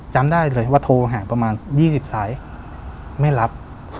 จำได้เลยว่าโทรห่างประมาณ๒๐สายไม่รับ